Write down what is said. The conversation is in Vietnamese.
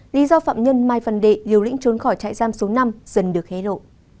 lý do phạm nhân mai văn đệ điều lĩnh trốn khỏi chạy giam số năm dần được hé lộ